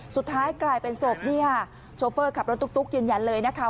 สุดท้ายกลายเป็นศพนี่ค่ะโชเฟอร์ขับรถตุ๊กยืนยันเลยนะคะ